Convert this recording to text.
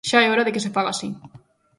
Xa é hora de que se faga así.